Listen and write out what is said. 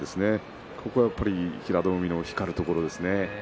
ここは平戸海の光るところですね。